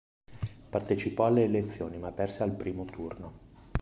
Partecipò alle elezioni, ma perse al primo turno.